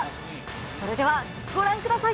それではご覧ください。